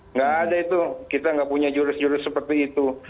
nggak ada itu kita nggak punya jurus jurus seperti itu